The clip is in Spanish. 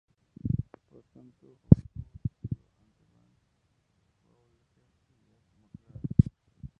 Por tanto, obtuvo el título ante Banks, Faulkner y Jack McGrath.